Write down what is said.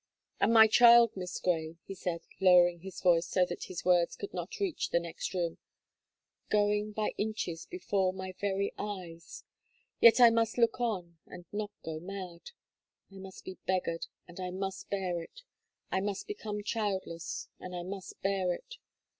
"And my child, Miss Gray," he said, lowering his voice so that his words could not reach the next room, "going by inches before my very eyes; yet I must look on and not go mad. I must be beggared, and I must bear it; I must become childless, and I must bear it.